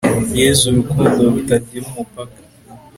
yezu rukundo rutagira umupaka